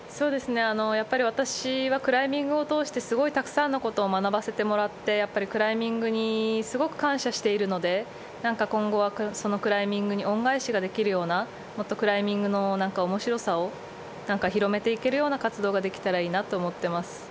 私はクライミングを通して、すごく、たくさんのことを学ばせてもらって、クライミングにすごく感謝しているので、今後はクライミングに恩返しができるような面白さを広めていけるような活動ができたらいいなと思っています。